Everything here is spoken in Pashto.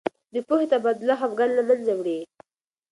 د پوهې تبادله خفګان له منځه وړي.